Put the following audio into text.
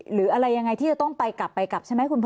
หรืออะไรยังไงที่จะต้องไปกลับไปกลับใช่ไหมคุณพ่อ